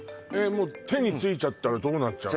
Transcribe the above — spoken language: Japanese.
もう手についちゃったらどうなっちゃうの？